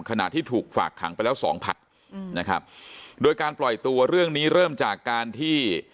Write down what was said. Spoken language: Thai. ขณะที่ถูกฝากขังไปแล้วสองผัดอืมนะครับโดยการปล่อยตัวเรื่องนี้เริ่มจากการที่